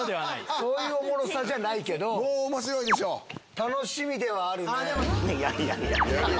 そういうおもろさじゃないけど楽しみではあるね。